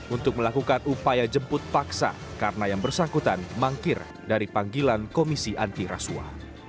untuk melakukan upaya jemput paksa karena yang bersangkutan mangkir dari panggilan komisi anti rasuah